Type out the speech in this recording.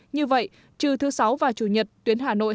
như vậy trừ thứ sáu và chủ nhật tuyến hà nội hải phòng